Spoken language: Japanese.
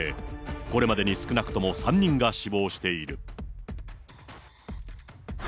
これまでに少なくとも３人が死亡している。